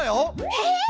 えっ！